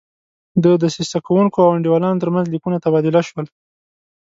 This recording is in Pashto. د دسیسه کوونکو او انډیوالانو ترمنځ لیکونه تبادله شول.